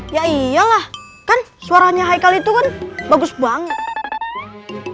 ya iyalah kan suaranya haikal itu kan bagus banget